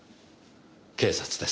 警察です。